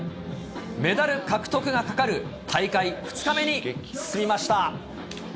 メダル獲得がかかる大会２日目に進みました。